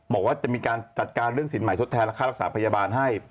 บอกว่าจะมีการจัดการเรื่องสินใหม่ทดแทนและค่ารักษาพยาบาลให้